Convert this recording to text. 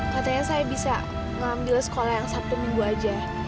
katanya saya bisa ngambil sekolah yang sabtu minggu aja